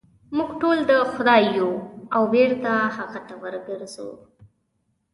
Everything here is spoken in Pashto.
موږ ټول د خدای یو او بېرته هغه ته ورګرځو.